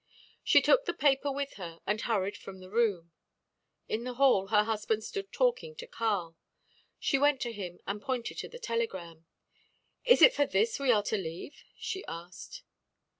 She took the paper with her and hurried from the room. In the hall her husband stood talking to Karl. She went to him and pointed to the telegram. "Is it for this we are to leave?" she asked.